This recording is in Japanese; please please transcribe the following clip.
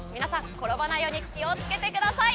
転ばないように気をつけてください。